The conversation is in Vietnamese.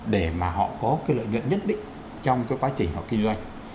để mà họ có cái lợi nhuận nhất định trong cái quá trình họ kinh doanh